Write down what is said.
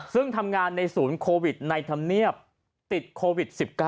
ซึ่งทำงานในศูนย์โควิดในธรรมเนียบติดโควิด๑๙